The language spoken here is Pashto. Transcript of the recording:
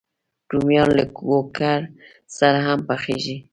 رومیان له کوکرو سره هم پخېږي